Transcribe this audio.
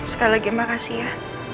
sekali lagi makasih ya